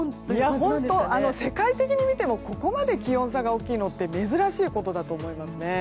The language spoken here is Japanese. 世界的に見てもここまで気温差が大きいのって珍しいことだと思います。